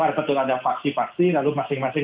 ada betul ada vaksi vaksi lalu masing masing